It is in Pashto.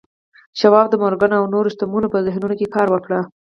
شواب د مورګان او نورو شتمنو په ذهنونو کې کار وکړ